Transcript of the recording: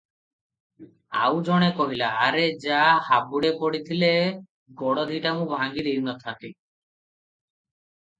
ଆଉ ଜଣେ କହିଲା- "ଆରେ ଯା- ହାବୁଡ଼େ ପଡ଼ିଥିଲେ ଗୋଡ଼ ଦିଟା ମୁଁ ଭାଙ୍ଗି ଦେଇ ନଥାନ୍ତି?